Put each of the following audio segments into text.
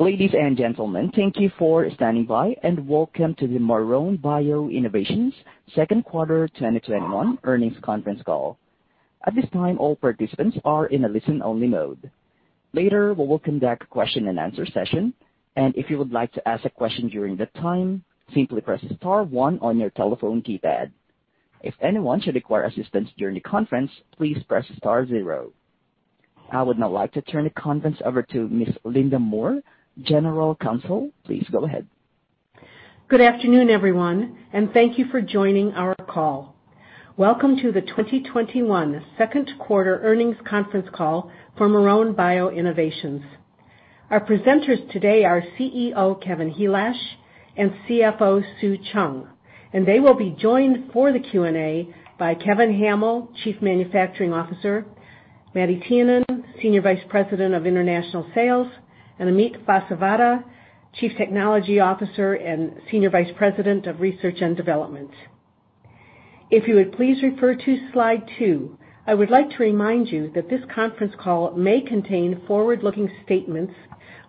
Ladies and gentlemen, thank you for standing by and welcome to the Marrone Bio Innovations second quarter 2021 earnings conference call. At this time, all participants are in a listen-only mode. Later, we will conduct a question and answer session, and if you would like to ask a question during that time, simply press star one on your telephone keypad. If anyone should require assistance during the conference, please press star zero. I would now like to turn the conference over to Ms. Linda Moore, General Counsel. Please go ahead. Good afternoon, everyone, and thank you for joining our call. Welcome to the 2021 second quarter earnings conference call for Marrone Bio Innovations. Our presenters today are CEO, Kevin Helash, and CFO, Sue Cheung, and they will be joined for the Q&A by Kevin Hammill, Chief Manufacturing Officer, Matti Tiainen, Senior Vice President of International Sales, and Amit Vasavada, Chief Technology Officer and Senior Vice President of Research and Development. If you would please refer to slide two, I would like to remind you that this conference call may contain forward-looking statements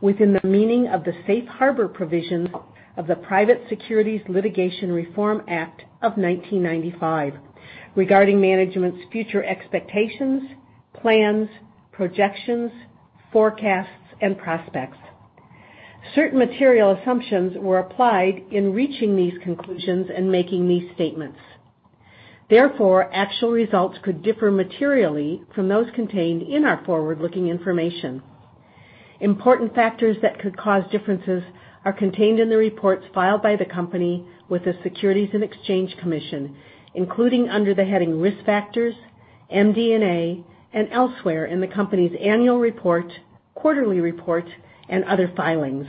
within the meaning of the Safe Harbor provisions of the Private Securities Litigation Reform Act of 1995, regarding management's future expectations, plans, projections, forecasts, and prospects. Certain material assumptions were applied in reaching these conclusions and making these statements. Therefore, actual results could differ materially from those contained in our forward-looking information. Important factors that could cause differences are contained in the reports filed by the company with the Securities and Exchange Commission, including under the heading Risk Factors, MD&A, and elsewhere in the company's annual report, quarterly report, and other filings.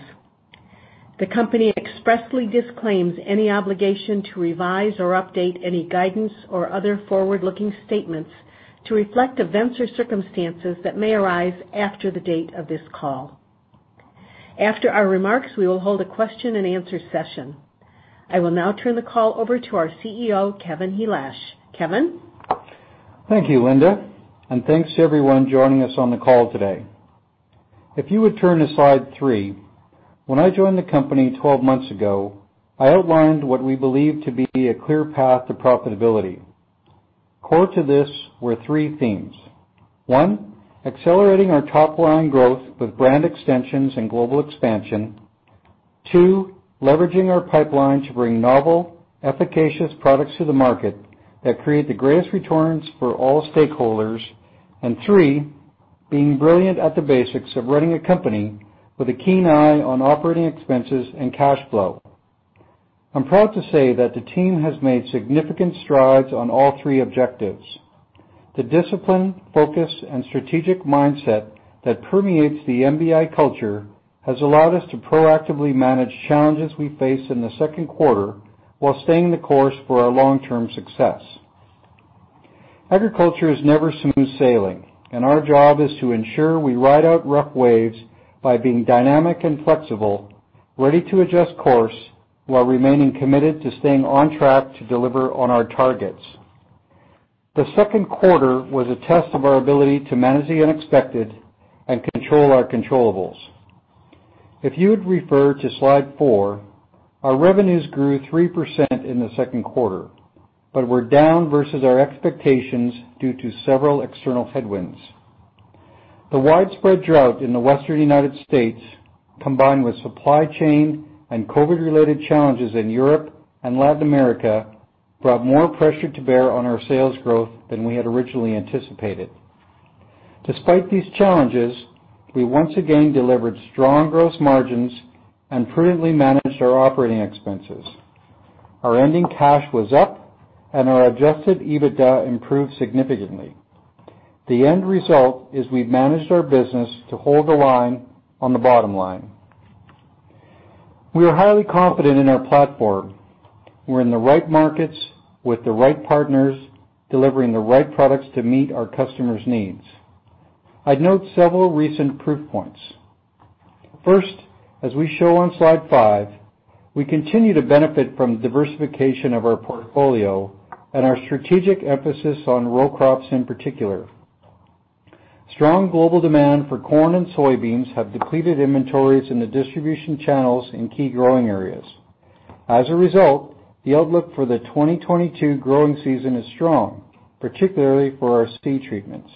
The company expressly disclaims any obligation to revise or update any guidance or other forward-looking statements to reflect events or circumstances that may arise after the date of this call. After our remarks, we will hold a question and answer session. I will now turn the call over to our CEO, Kevin Helash. Kevin? Thank you, Linda, and thanks to everyone joining us on the call today. If you would turn to slide three, when I joined the company 12 months ago, I outlined what we believe to be a clear path to profitability. Core to this were three themes. one, accelerating our top-line growth with brand extensions and global expansion. Two, leveraging our pipeline to bring novel, efficacious products to the market that create the greatest returns for all stakeholders. Three, being brilliant at the basics of running a company with a keen eye on operating expenses and cash flow. I'm proud to say that the team has made significant strides on all three objectives. The discipline, focus, and strategic mindset that permeates the MBI culture has allowed us to proactively manage challenges we face in the second quarter while staying the course for our long-term success. Agriculture is never smooth sailing, and our job is to ensure we ride out rough waves by being dynamic and flexible, ready to adjust course while remaining committed to staying on track to deliver on our targets. The second quarter was a test of our ability to manage the unexpected and control our controllables. If you would refer to slide four, our revenues grew 3% in the second quarter, but were down versus our expectations due to several external headwinds. The widespread drought in the Western U.S., combined with supply chain and COVID-related challenges in Europe and Latin America, brought more pressure to bear on our sales growth than we had originally anticipated. Despite these challenges, we once again delivered strong gross margins and prudently managed our operating expenses. Our ending cash was up, and our adjusted EBITDA improved significantly. The end result is we've managed our business to hold the line on the bottom line. We are highly confident in our platform. We're in the right markets with the right partners, delivering the right products to meet our customers' needs. I'd note several recent proof points. First, as we show on slide five, we continue to benefit from diversification of our portfolio and our strategic emphasis on row crops in particular. Strong global demand for corn and soybeans have depleted inventories in the distribution channels in key growing areas. As a result, the outlook for the 2022 growing season is strong, particularly for our seed treatments.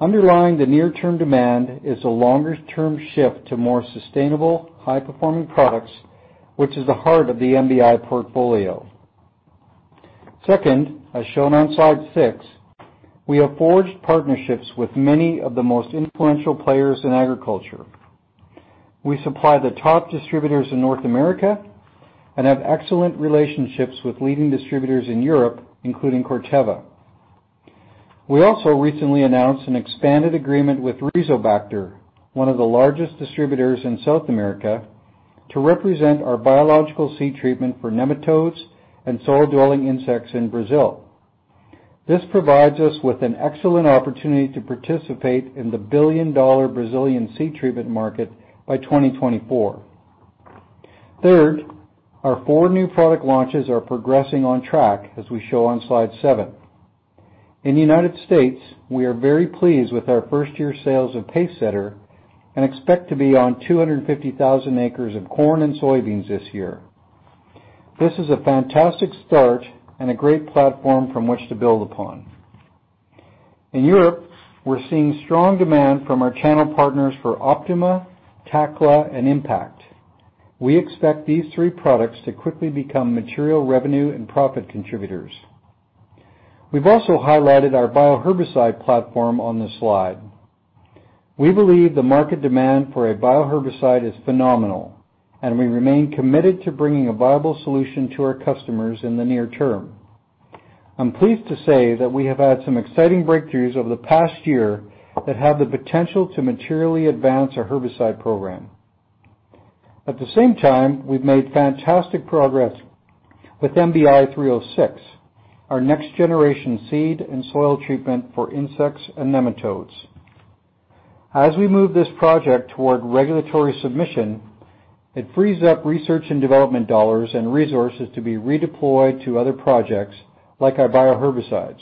Underlying the near-term demand is a longer-term shift to more sustainable, high-performing products, which is the heart of the MBI portfolio. Second, as shown on slide six, we have forged partnerships with many of the most influential players in agriculture. We supply the top distributors in North America and have excellent relationships with leading distributors in Europe, including Corteva. We also recently announced an expanded agreement with Rizobacter, one of the largest distributors in South America, to represent our biological seed treatment for nematodes and soil-dwelling insects in Brazil. This provides us with an excellent opportunity to participate in the $1 billion Brazilian seed treatment market by 2024. Third, our four new product launches are progressing on track as we show on slide seven. In the United States, we are very pleased with our first-year sales of Pacesetter and expect to be on 250,000 acres of corn and soybeans this year. This is a fantastic start and a great platform from which to build upon. In Europe, we're seeing strong demand from our channel partners for Optima, Tacla, and Impact. We expect these three products to quickly become material revenue and profit contributors. We've also highlighted our bioherbicide platform on this slide. We believe the market demand for a bioherbicide is phenomenal, and we remain committed to bringing a viable solution to our customers in the near term. I'm pleased to say that we have had some exciting breakthroughs over the past year that have the potential to materially advance our herbicide program. At the same time, we've made fantastic progress with MBI-306, our next-generation seed and soil treatment for insects and nematodes. As we move this project toward regulatory submission, it frees up research and development dollars and resources to be redeployed to other projects, like our bioherbicides.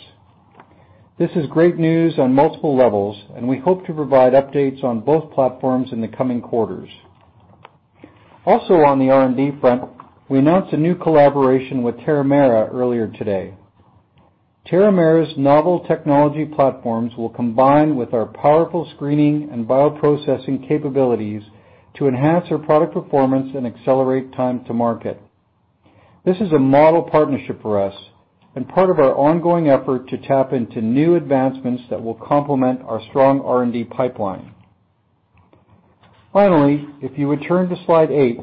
This is great news on multiple levels, and we hope to provide updates on both platforms in the coming quarters. On the R&D front, we announced a new collaboration with Terramera earlier today. Terramera's novel technology platforms will combine with our powerful screening and bioprocessing capabilities to enhance our product performance and accelerate time to market. This is a model partnership for us and part of our ongoing effort to tap into new advancements that will complement our strong R&D pipeline. If you would turn to slide eight,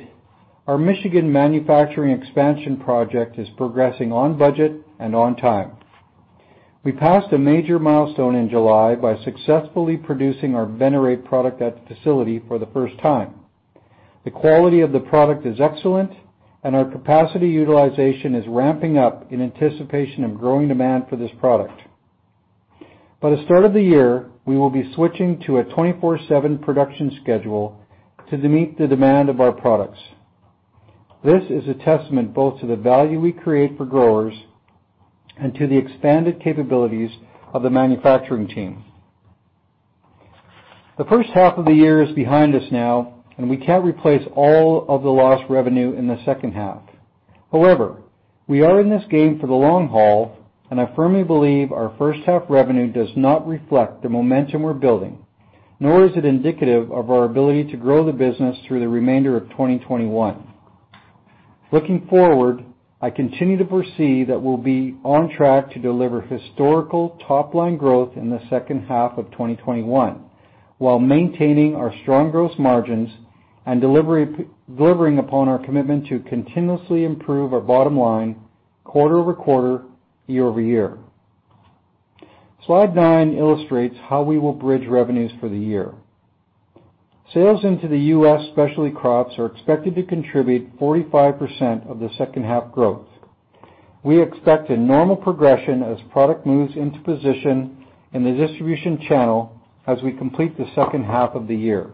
our Michigan manufacturing expansion project is progressing on budget and on time. We passed a major milestone in July by successfully producing our Venerate product at the facility for the first time. The quality of the product is excellent, and our capacity utilization is ramping up in anticipation of growing demand for this product. By the start of the year, we will be switching to a 24/7 production schedule to meet the demand of our products. This is a testament both to the value we create for growers and to the expanded capabilities of the manufacturing team. The first half of the year is behind us now. We can't replace all of the lost revenue in the second half. However, we are in this game for the long haul, and I firmly believe our first-half revenue does not reflect the momentum we're building, nor is it indicative of our ability to grow the business through the remainder of 2021. Looking forward, I continue to foresee that we'll be on track to deliver historical top-line growth in the second half of 2021 while maintaining our strong gross margins and delivering upon our commitment to continuously improve our bottom line quarter-over-quarter, year-over-year. Slide nine illustrates how we will bridge revenues for the year. Sales into the U.S. specialty crops are expected to contribute 45% of the second half growth. We expect a normal progression as product moves into position in the distribution channel as we complete the second half of the year.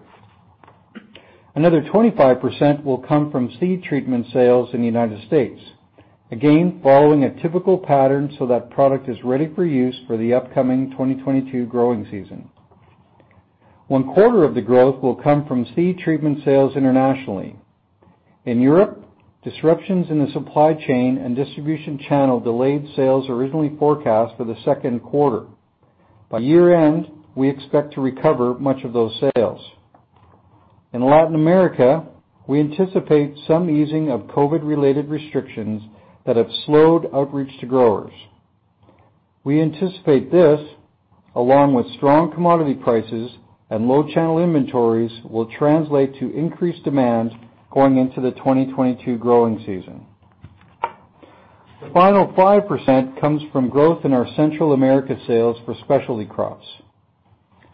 Another 25% will come from seed treatment sales in the United States. Following a typical pattern so that product is ready for use for the upcoming 2022 growing season. One quarter of the growth will come from seed treatment sales internationally. In Europe, disruptions in the supply chain and distribution channel delayed sales originally forecast for the second quarter. By year-end, we expect to recover much of those sales. In Latin America, we anticipate some easing of COVID-related restrictions that have slowed outreach to growers. We anticipate this, along with strong commodity prices and low channel inventories, will translate to increased demand going into the 2022 growing season. The final 5% comes from growth in our Central America sales for specialty crops.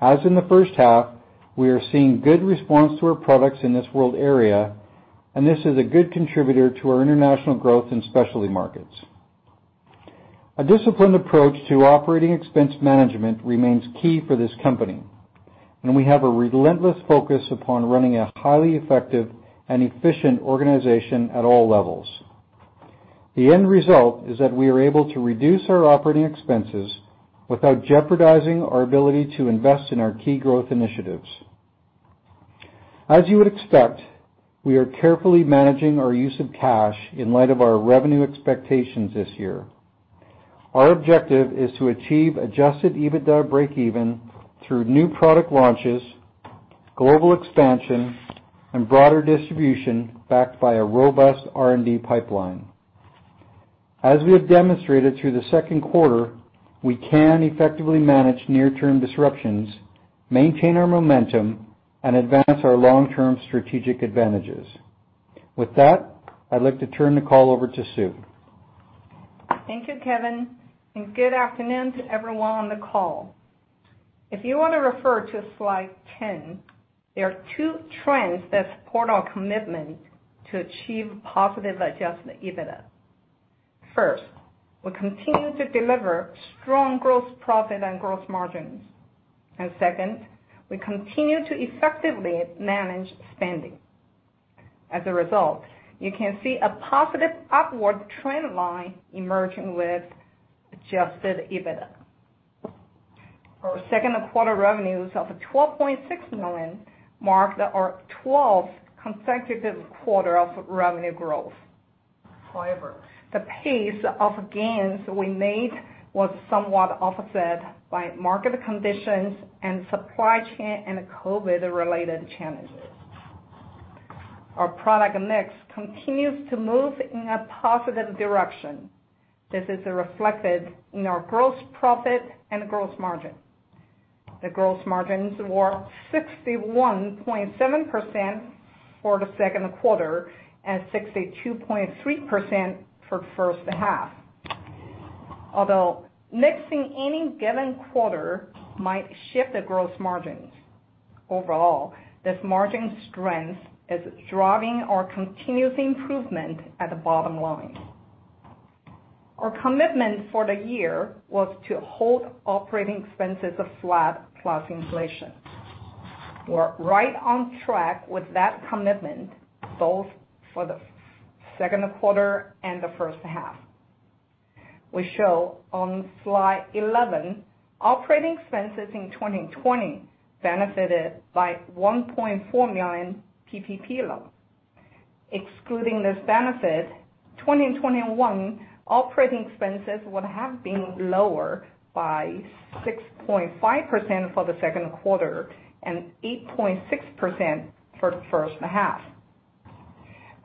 As in the first half, we are seeing good response to our products in this world area, and this is a good contributor to our international growth in specialty markets. A disciplined approach to operating expense management remains key for this company, and we have a relentless focus upon running a highly effective and efficient organization at all levels. The end result is that we are able to reduce our operating expenses without jeopardizing our ability to invest in our key growth initiatives. As you would expect, we are carefully managing our use of cash in light of our revenue expectations this year. Our objective is to achieve adjusted EBITDA breakeven through new product launches, global expansion, and broader distribution backed by a robust R&D pipeline. As we have demonstrated through the second quarter, we can effectively manage near-term disruptions, maintain our momentum, and advance our long-term strategic advantages. With that, I'd like to turn the call over to Sue. Thank you, Kevin. Good afternoon to everyone on the call. If you want to refer to slide 10, there are two trends that support our commitment to achieve positive adjusted EBITDA. First, we continue to deliver strong gross profit and gross margins. Second, we continue to effectively manage spending. As a result, you can see a positive upward trend line emerging with adjusted EBITDA. Our second quarter revenues of $12.6 million marked our 12th consecutive quarter of revenue growth. However, the pace of gains we made was somewhat offset by market conditions and supply chain and COVID-related challenges. Our product mix continues to move in a positive direction. This is reflected in our gross profit and gross margin. The gross margins were 61.7% for the second quarter and 62.3% for the first half. Although mixing any given quarter might shift the gross margins, overall, this margin strength is driving our continuous improvement at the bottom line. Our commitment for the year was to hold operating expenses flat plus inflation. We're right on track with that commitment, both for the second quarter and the first half. We show on slide 11, operating expenses in 2020 benefited by $1.4 million PPP loan. Excluding this benefit, 2021 operating expenses would have been lower by 6.5% for the second quarter and 8.6% for the first half.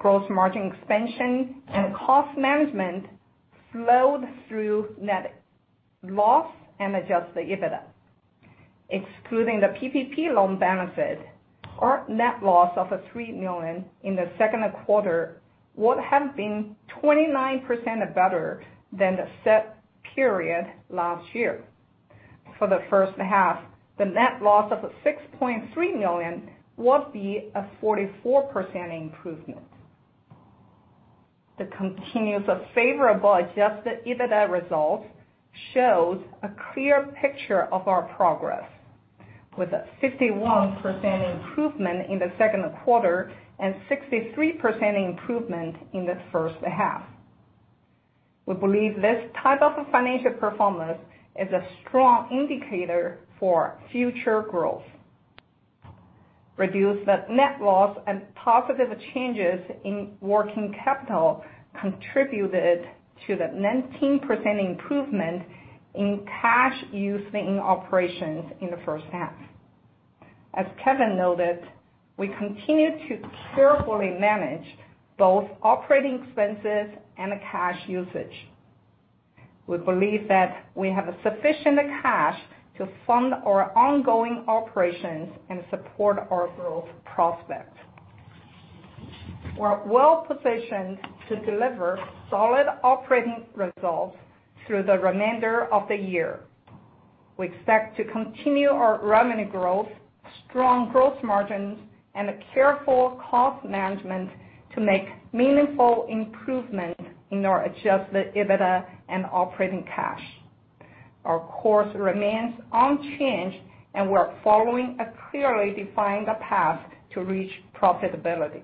Gross margin expansion and cost management flowed through net loss and adjusted EBITDA. Excluding the PPP loan benefit, our net loss of $3 million in the second quarter would have been 29% better than the set period last year. For the first half, the net loss of $6.3 million would be a 44% improvement. The continuous favorable adjusted EBITDA results shows a clear picture of our progress, with a 51% improvement in the second quarter and 63% improvement in the first half. We believe this type of financial performance is a strong indicator for future growth. Reduced net loss and positive changes in working capital contributed to the 19% improvement in cash used in operations in the first half. As Kevin noted, we continue to carefully manage both operating expenses and cash usage. We believe that we have sufficient cash to fund our ongoing operations and support our growth prospects. We're well-positioned to deliver solid operating results through the remainder of the year. We expect to continue our revenue growth, strong gross margins, and careful cost management to make meaningful improvements in our adjusted EBITDA and operating cash. Our course remains unchanged, and we're following a clearly defined path to reach profitability.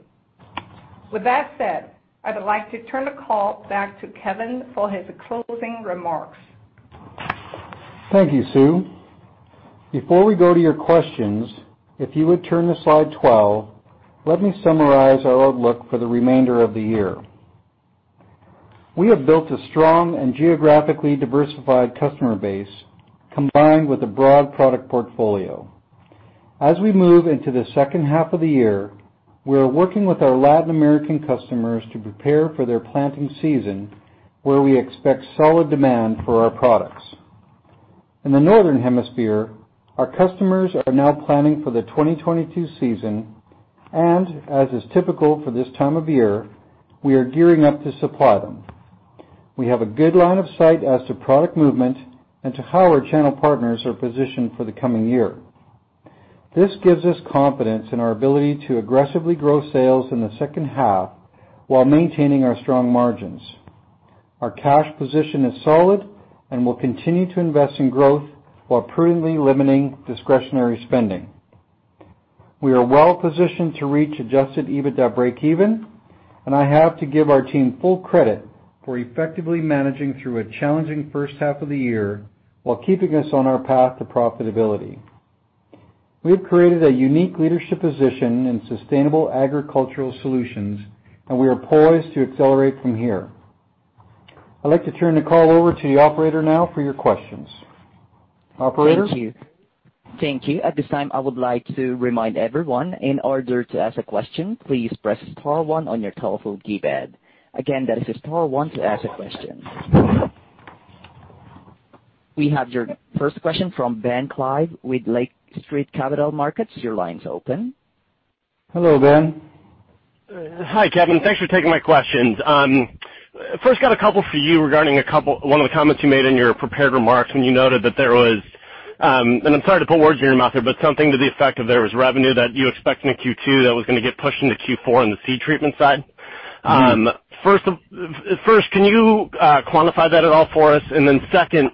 With that said, I'd like to turn the call back to Kevin for his closing remarks. Thank you, Sue. Before we go to your questions, if you would turn to slide 12, let me summarize our outlook for the remainder of the year. We have built a strong and geographically diversified customer base, combined with a broad product portfolio. As we move into the second half of the year, we are working with our Latin American customers to prepare for their planting season, where we expect solid demand for our products. In the Northern Hemisphere, our customers are now planning for the 2022 season, and as is typical for this time of year, we are gearing up to supply them. We have a good line of sight as to product movement and to how our channel partners are positioned for the coming year. This gives us confidence in our ability to aggressively grow sales in the second half while maintaining our strong margins. Our cash position is solid and will continue to invest in growth while prudently limiting discretionary spending. We are well positioned to reach adjusted EBITDA breakeven, and I have to give our team full credit for effectively managing through a challenging first half of the year while keeping us on our path to profitability. We have created a unique leadership position in sustainable agricultural solutions, and we are poised to accelerate from here. I'd like to turn the call over to the operator now for your questions. Operator? Thank you. Thank you. At this time, I would like to remind everyone, in order to ask a question, please press star one on your telephone keypad. Again, that is star one to ask a question. We have your first question from Ben Klieve with Lake Street Capital Markets. Your line's open. Hello, Ben. Hi, Kevin. Thanks for taking my questions. First, got a couple for you regarding one of the comments you made in your prepared remarks when you noted that there was, I'm sorry to put words in your mouth here, but something to the effect of there was revenue that you expect in the Q2 that was going to get pushed into Q4 on the seed treatment side. First, can you quantify that at all for us? Second,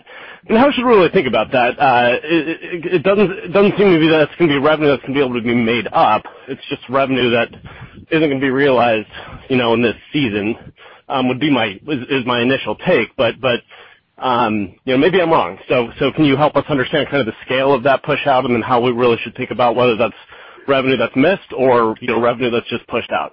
how should we really think about that? It doesn't seem to me that it's going to be revenue that's going to be able to be made up. It's just revenue that isn't going to be realized in this season, is my initial take. Maybe I'm wrong. Can you help us understand kind of the scale of that push out and then how we really should think about whether that's revenue that's missed or revenue that's just pushed out?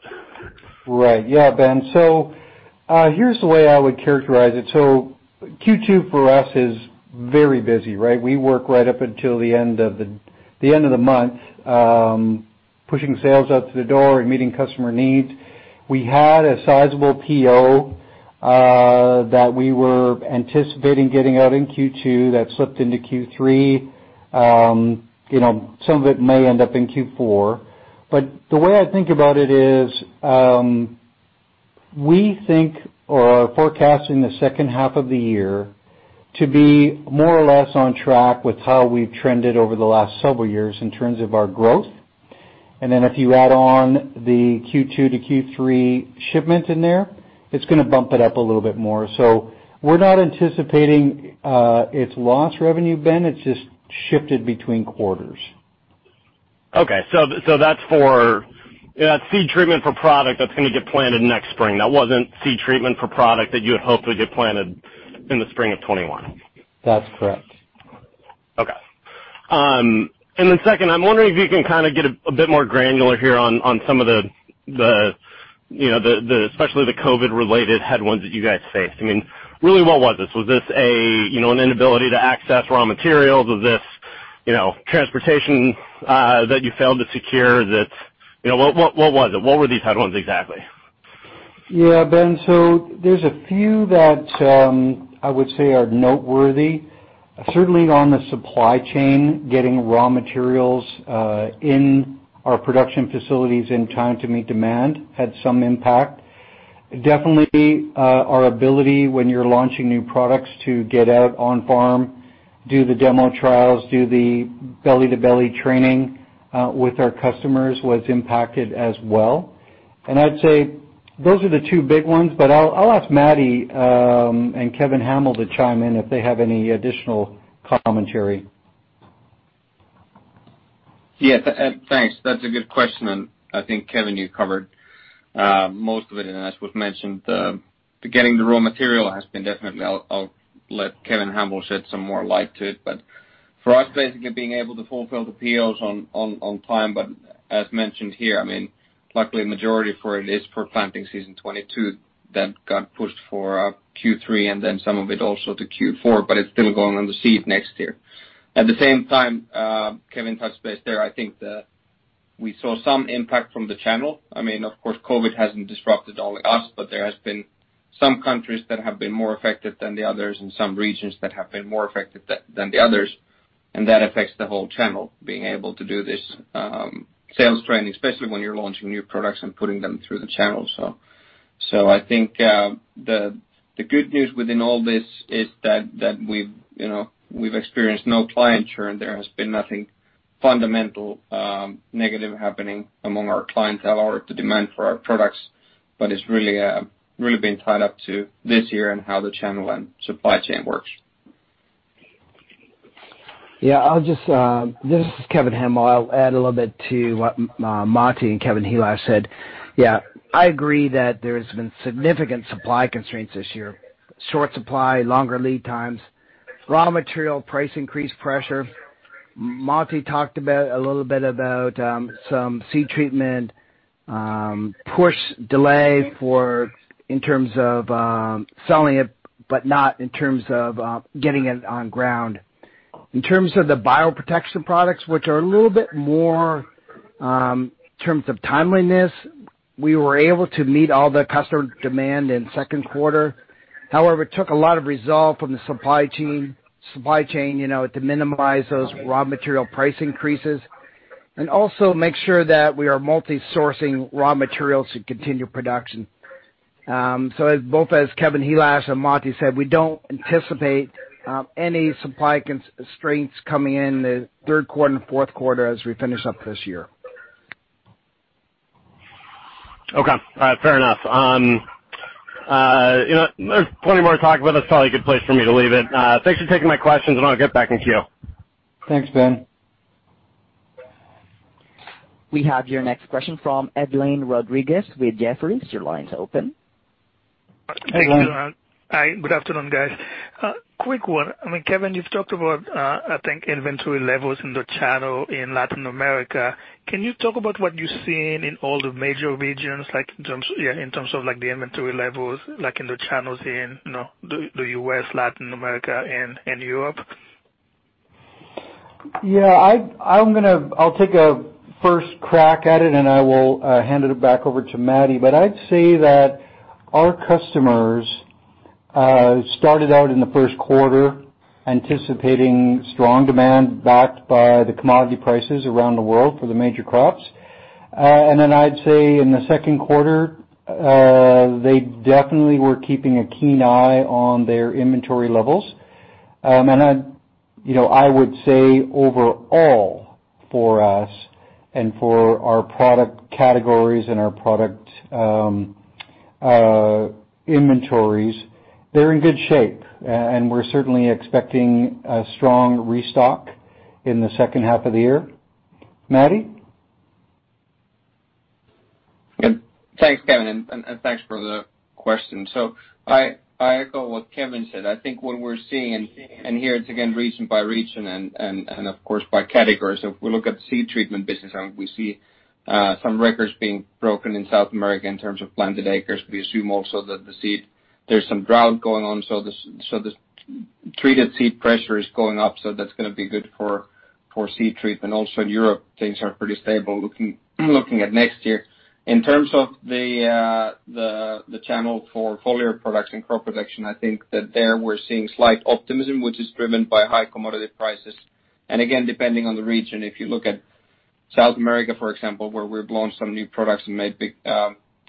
Right. Yeah, Ben. Here's the way I would characterize it. Q2 for us is very busy, right? We work right up until the end of the month, pushing sales out to the door and meeting customer needs. We had a sizable PO that we were anticipating getting out in Q2 that slipped into Q3. Some of it may end up in Q4. The way I think about it is, we think or are forecasting the second half of the year to be more or less on track with how we've trended over the last several years in terms of our growth. If you add on the Q2-Q3 shipment in there, it's going to bump it up a little bit more. We're not anticipating it's lost revenue, Ben. It's just shifted between quarters. Okay, so that's for seed treatment for product that's going to get planted next spring. That wasn't seed treatment for product that you had hoped would get planted in the spring of 2021. That's correct. Okay. Second, I'm wondering if you can kind of get a bit more granular here on some of the, especially the COVID-related headwinds that you guys faced. I mean, really, what was this? Was this an inability to access raw materials? Was this transportation that you failed to secure? What was it? What were these headwinds exactly? Yeah, Ben, there's a few that I would say are noteworthy. Certainly on the supply chain, getting raw materials in our production facilities in time to meet demand had some impact. Definitely our ability when you're launching new products to get out on farm, do the demo trials, do the belly-to-belly training with our customers was impacted as well. I'd say those are the two big ones, but I'll ask Matti and Kevin Hammill to chime in if they have any additional commentary. Yeah, thanks. That's a good question. I think, Kevin, you covered most of it. As was mentioned, the getting the raw material has been definitely. I'll let Kevin Helash shed some more light to it. For us, basically being able to fulfill the POs on time, but as mentioned here, luckily, majority for it is for planting season 2022 that got pushed for Q3 and then some of it also to Q4, but it's still going in the seed next year. At the same time, Kevin touched base there, I think that we saw some impact from the channel. I mean, of course, COVID hasn't disrupted only us, but there has been some countries that have been more affected than the others and some regions that have been more affected than the others, and that affects the whole channel being able to do this sales training, especially when you're launching new products and putting them through the channel. I think the good news within all this is that we've experienced no client churn. There has been nothing fundamental negative happening among our clientele or the demand for our products. It's really been tied up to this year and how the channel and supply chain works. Yeah. This is Kevin Hammill. I'll add a little bit to what Matti and Kevin Helash said. Yeah, I agree that there's been significant supply constraints this year. Short supply, longer lead times, raw material price increase pressure. Matti talked a little bit about some seed treatment push delay in terms of selling it, but not in terms of getting it on ground. In terms of the bioprotection products, which are a little bit more in terms of timeliness, we were able to meet all the customer demand in second quarter. However, it took a lot of resolve from the supply chain to minimize those raw material price increases and also make sure that we are multi-sourcing raw materials to continue production. Both as Kevin Helash and Matti said, we don't anticipate any supply constraints coming in the third quarter and fourth quarter as we finish up this year. Okay. All right. Fair enough. There's plenty more to talk about. That's probably a good place for me to leave it. Thanks for taking my questions, and I'll get back in queue. Thanks, Ben. We have your next question from Edlain Rodriguez with Jefferies. Your line's open. Edlain? Hi, good afternoon, guys. Quick one. I mean, Kevin, you've talked about, I think, inventory levels in the channel in Latin America. Can you talk about what you're seeing in all the major regions in terms of the inventory levels, like in the channels in the U.S., Latin America, and Europe? Yeah. I'll take a first crack at it, and I will hand it back over to Matti. I'd say that our customers started out in the first quarter anticipating strong demand backed by the commodity prices around the world for the major crops. I'd say in the second quarter, they definitely were keeping a keen eye on their inventory levels. I would say overall for us and for our product categories and our product inventories, they're in good shape. We're certainly expecting a strong restock in the second half of the year. Matti? Good. Thanks, Kevin. Thanks for the question. I echo what Kevin said. I think what we're seeing, and here it's again region by region and of course by category. If we look at seed treatment business and we see some records being broken in South America in terms of planted acres, we assume also that the seed, there's some drought going on, so the treated seed pressure is going up, so that's going to be good for seed treatment. Also in Europe, things are pretty stable looking at next year. In terms of the channel for foliar products and crop protection, I think that there we're seeing slight optimism, which is driven by high commodity prices. Again, depending on the region, if you look at South America, for example, where we've launched some new products and made big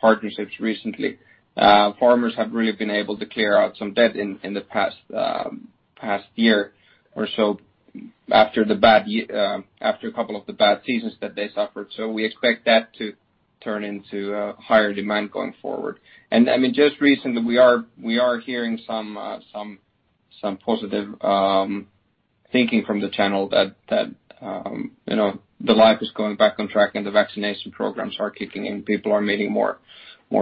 partnerships recently, farmers have really been able to clear out some debt in the past year or so after a couple of the bad seasons that they suffered. We expect that to turn into higher demand going forward. Just recently, we are hearing some positive thinking from the channel that the life is going back on track and the vaccination programs are kicking in. People are meeting more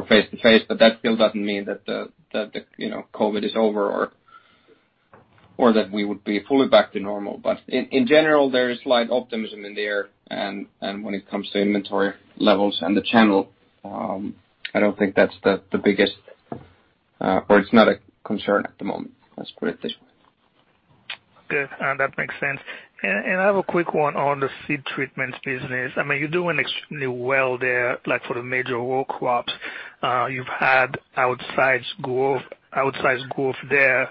face-to-face, that still doesn't mean that the COVID is over or that we would be fully back to normal. In general, there is slight optimism in the air and when it comes to inventory levels and the channel, it's not a concern at the moment. Let's put it this way. Good. That makes sense. I have a quick one on the seed treatments business. You're doing extremely well there, like for the major world crops. You've had outsized growth there.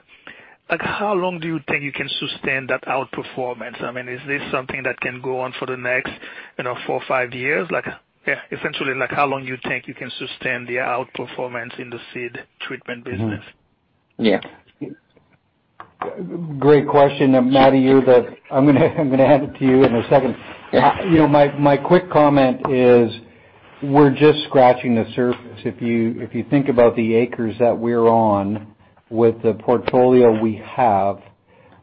How long do you think you can sustain that outperformance? Is this something that can go on for the next four or five years? Essentially, how long you think you can sustain the outperformance in the seed treatment business? Yeah. Great question, Matti, I'm going to hand it to you in a second. My quick comment is we're just scratching the surface. If you think about the acres that we're on with the portfolio we have,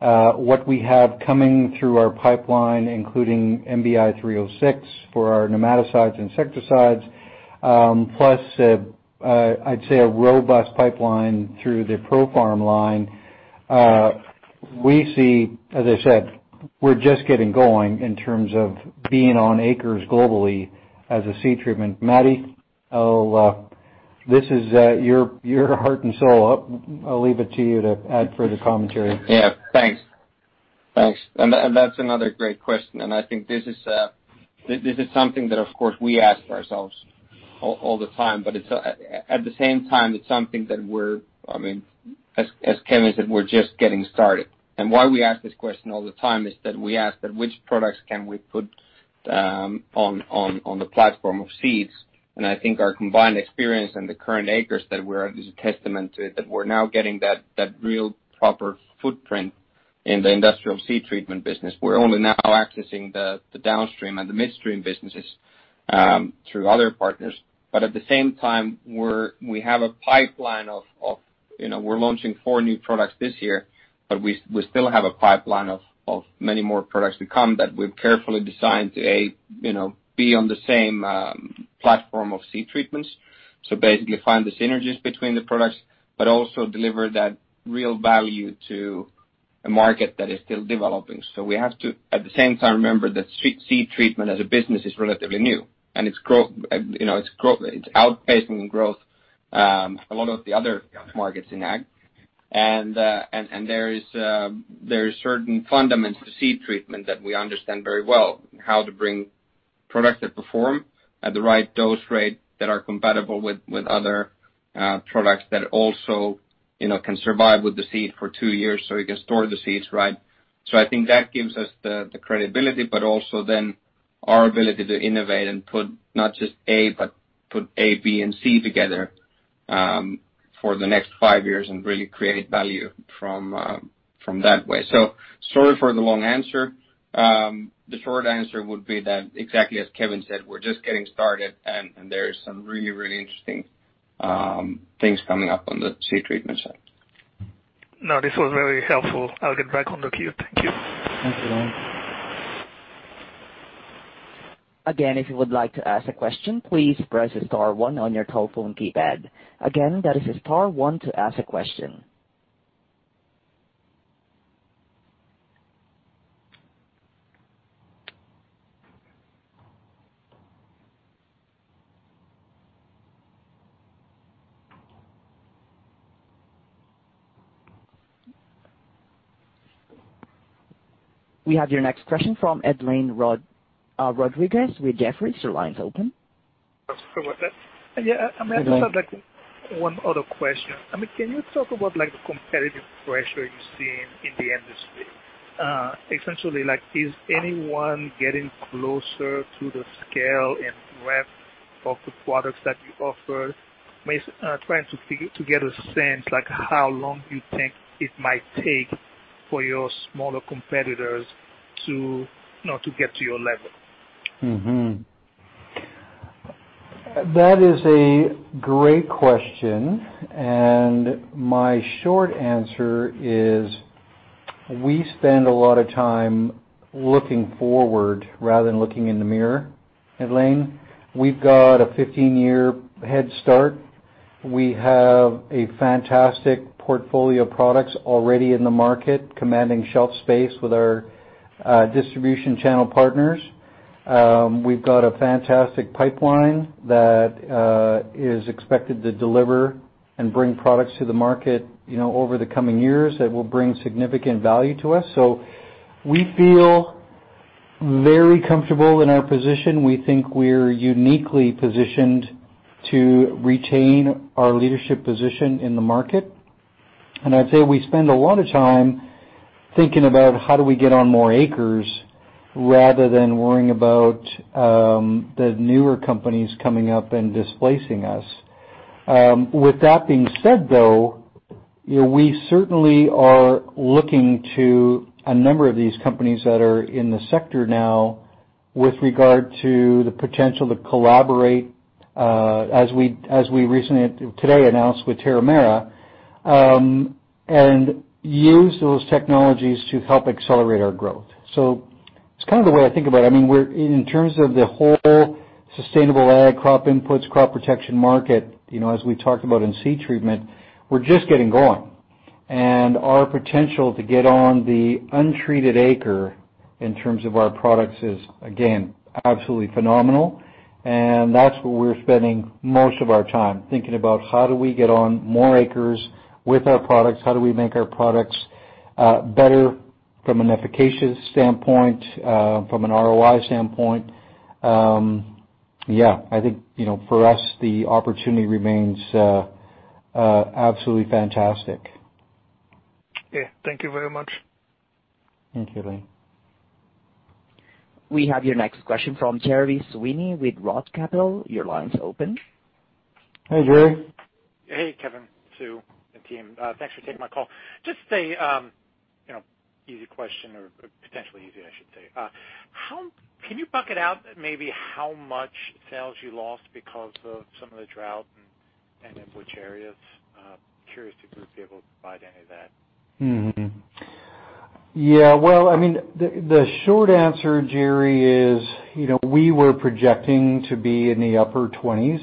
what we have coming through our pipeline, including MBI-306 for our nematicides, insecticides, plus, I'd say a robust pipeline through the ProFarm line. We see, as I said, we're just getting going in terms of being on acres globally as a seed treatment. Matti, this is your heart and soul. I'll leave it to you to add further commentary. Yeah. Thanks. That's another great question. I think this is something that, of course, we ask ourselves all the time, but at the same time, it's something that we're, as Kevin said, we're just getting started. Why we ask this question all the time is that we ask that which products can we put on the platform of seeds. I think our combined experience and the current acres that we're at is a testament to it, that we're now getting that real proper footprint in the industrial seed treatment business. We're only now accessing the downstream and the midstream businesses through other partners. At the same time, we're launching 4 new products this year, but we still have a pipeline of many more products to come that we've carefully designed to, A, be on the same platform of seed treatments. Basically find the synergies between the products, but also deliver that real value to a market that is still developing. We have to, at the same time, remember that seed treatment as a business is relatively new, and it's outpacing in growth, a lot of the other markets in ag. There is certain fundamentals to seed treatment that we understand very well. How to bring products that perform at the right dose rate, that are compatible with other products that also can survive with the seed for two years, so you can store the seeds right. I think that gives us the credibility, but also then our ability to innovate and put not just A, but put A, B, and C together for the next five years and really create value from that way. Sorry for the long answer. The short answer would be that exactly as Kevin said, we're just getting started and there is some really interesting things coming up on the seed treatment side. No, this was very helpful. I'll get back on the queue. Thank you. Thank you. Again, if you would like to ask a question, please press star one on your telephone keypad. Again, that is star one to ask a question. We have your next question from Edlain Rodriguez with Jefferies. Your line's open. Super. With that, yeah, I just have one other question. Can you talk about the competitive pressure you're seeing in the industry? Essentially, is anyone getting closer to the scale and breadth of the products that you offer? I'm trying to get a sense, like how long you think it might take for your smaller competitors to get to your level. That is a great question. My short answer is, we spend a lot of time looking forward rather than looking in the mirror, Edlain. We’ve got a 15-year head start. We have a fantastic portfolio of products already in the market, commanding shelf space with our distribution channel partners. We’ve got a fantastic pipeline that is expected to deliver and bring products to the market over the coming years that will bring significant value to us. We feel very comfortable in our position. We think we’re uniquely positioned to retain our leadership position in the market. I’d say we spend a lot of time thinking about how do we get on more acres rather than worrying about the newer companies coming up and displacing us. With that being said, though, we certainly are looking to a number of these companies that are in the sector now with regard to the potential to collaborate, as we recently today announced with Terramera, and use those technologies to help accelerate our growth. It's kind of the way I think about it. In terms of the whole sustainable ag crop inputs, crop protection market, as we talked about in seed treatment, we're just getting going. Our potential to get on the untreated acre in terms of our products is, again, absolutely phenomenal. That's where we're spending most of our time thinking about how do we get on more acres with our products? How do we make our products better from an efficacious standpoint, from an ROI standpoint? Yeah, I think for us, the opportunity remains absolutely fantastic. Yeah. Thank you very much. Thanks, Edlain. We have your next question from Gerry Sweeney with Roth Capital. Your line is open. Hey, Gerry. Hey, Kevin, Sue, and team. Thanks for taking my call. Just a easy question or potentially easy, I should say. Can you bucket out maybe how much sales you lost because of some of the drought and in which areas? Curious if you'd be able to provide any of that. Mm-hmm. Yeah. Well, the short answer, Gerry, is we were projecting to be in the upper 20s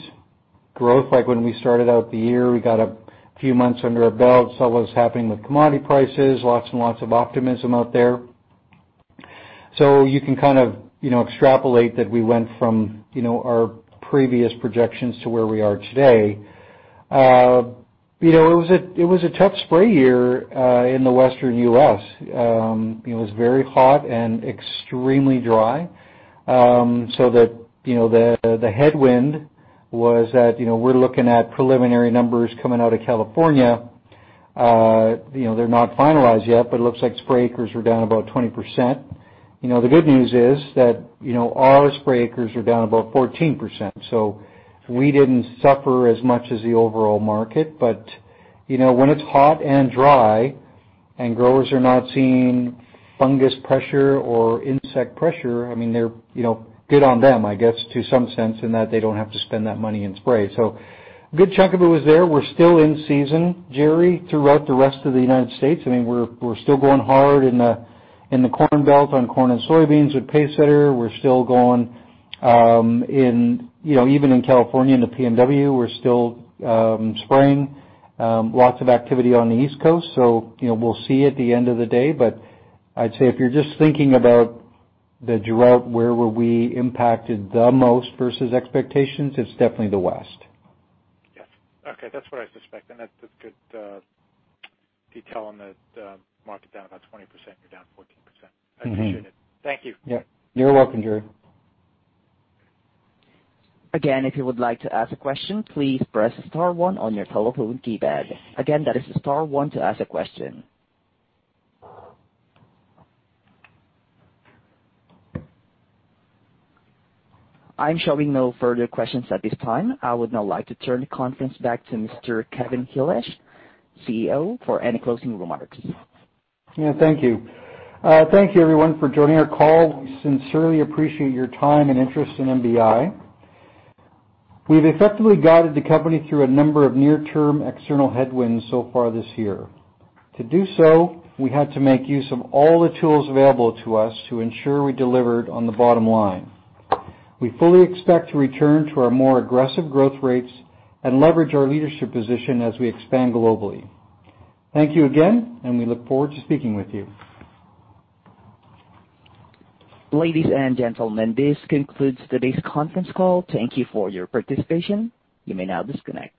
growth. Like when we started out the year, we got a few months under our belt, saw what was happening with commodity prices, lots and lots of optimism out there. You can kind of extrapolate that we went from our previous projections to where we are today. It was a tough spray year in the Western U.S. It was very hot and extremely dry. The headwind was that we're looking at preliminary numbers coming out of California. They're not finalized yet, but it looks like spray acres are down about 20%. The good news is that our spray acres are down about 14%, so we didn't suffer as much as the overall market. When it's hot and dry and growers are not seeing fungus pressure or insect pressure, good on them, I guess, to some sense in that they don't have to spend that money in spray. A good chunk of it was there. We're still in season, Gerry, throughout the rest of the U.S. We're still going hard in the Corn Belt on corn and soybeans with Pacesetter. We're still going even in California and the PNW, we're still spraying. Lots of activity on the East Coast. We'll see at the end of the day, but I'd say if you're just thinking about the drought, where were we impacted the most versus expectations, it's definitely the West. Yes. Okay. That's what I suspect, and that's good detail on the market down about 20%, you're down 14%. I appreciate it. Thank you. Yep. You're welcome, Gerry. Again, if you would like to ask a question, please press star one on your telephone keypad. Again, that is star one to ask a question. I'm showing no further questions at this time. I would now like to turn the conference back to Mr. Kevin Helash, CEO, for any closing remarks. Yeah, thank you. Thank you everyone for joining our call. We sincerely appreciate your time and interest in MBI. We've effectively guided the company through a number of near-term external headwinds so far this year. To do so, we had to make use of all the tools available to us to ensure we delivered on the bottom line. We fully expect to return to our more aggressive growth rates and leverage our leadership position as we expand globally. Thank you again, and we look forward to speaking with you. Ladies and gentlemen, this concludes today's conference call. Thank you for your participation. You may now disconnect.